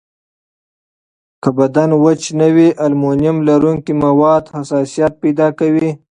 که بدن وچ نه وي، المونیم لرونکي مواد حساسیت پیدا کوي.